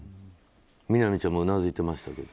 みなみちゃんもうなずいてましたけど。